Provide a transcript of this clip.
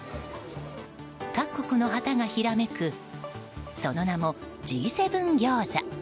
各国の旗がひらめくその名もＧ７餃子。